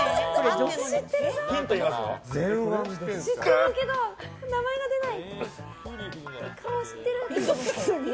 知ってるけど名前が出ない。